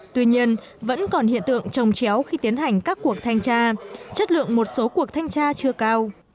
tuy nhiên vẫn còn hiện tượng trồng chéo khi tiến hành các cuộc thanh tra chất lượng một số cuộc thanh tra chưa cao